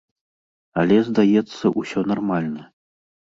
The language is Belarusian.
Але, здаецца, усё нармальна.